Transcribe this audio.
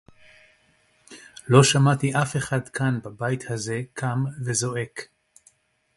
לא שמעתי אף אחד כאן בבית הזה קם וזועק